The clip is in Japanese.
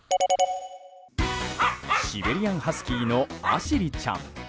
シベリアンハスキーのアシリちゃん。